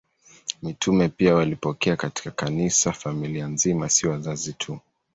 Mitume pia walipokea katika Kanisa familia nzima, si wazazi tu.